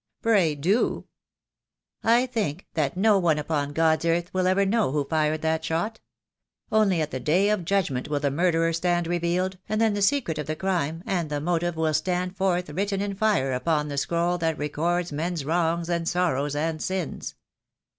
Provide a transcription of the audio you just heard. "Pray do." "I think that no one upon God's earth will ever know who fired that shot. Only at the Day of Judgment will the murderer stand revealed, and then the secret of the crime and the motive will stand forth written in fire upon the scroll that records men's wrongs and sorrows and sins.